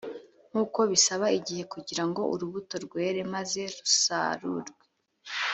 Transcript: nk uko bisaba igihe kugira ngo urubuto rwere maze rusarurwe